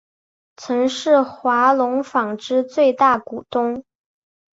曾是华隆纺织最大股东。